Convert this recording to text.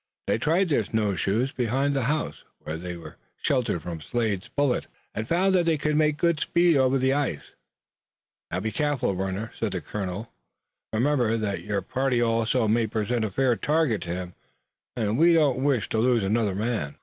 They tried their "snow shoes" behind the house, where they were sheltered from Slade's bullets, and found that they could make good speed over the ice. "Now be careful, Warner," said Colonel Winchester. "Remember that your party also may present a fair target to him, and we don't wish to lose another man."